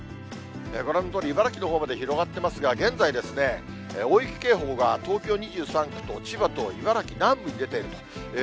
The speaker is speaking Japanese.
ご覧のとおり、茨城のほうまで広がってますが、現在、大雪警報が東京２３区と千葉と茨城南部に出ていると。